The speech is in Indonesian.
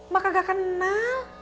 mbak nggak kenal